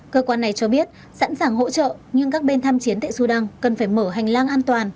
cơ quan này cho biết sẵn sàng hỗ trợ nhưng các bên tham chiến tại sudan cần phải mở hành lang an toàn